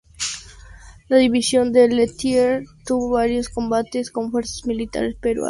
La división de Letelier tuvo varios combates con fuerzas militares peruanas.